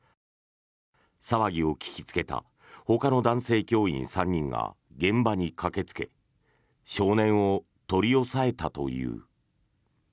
騒ぎを聞きつけたほかの男性教員３人が現場に駆けつけ少年を取り押さえたという。